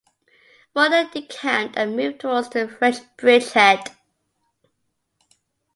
Waldeck decamped and moved towards the French bridgehead.